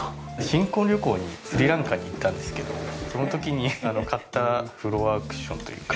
新婚旅行にスリランカに行ったんですけどその時に買ったフロアクッションというか。